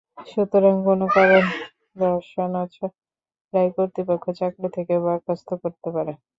সুতরাং কোনো কারণ দর্শানো ছাড়াই কর্তৃপক্ষ চাকরি থেকে বরখাস্ত করতে পারে।